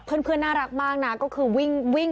เพื่อนน่ารักมากนะก็คือวิ่ง